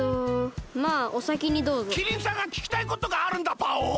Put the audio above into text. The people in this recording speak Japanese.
キリンさんがききたいことがあるんだパオン。